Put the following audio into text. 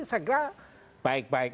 saya kira baik baik